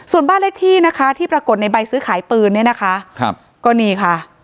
ส่วนบ้านเล็กที่ที่ปรากฏในใบซื้อขายปืนก็นี่ค่ะ